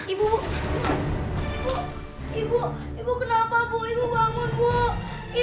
ibu ibu ibu kenapa ibu bangun ibu